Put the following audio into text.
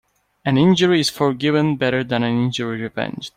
An injury is forgiven better than an injury revenged.